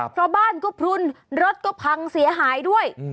เพราะบ้านก็พลุนรถก็พังเสียหายด้วย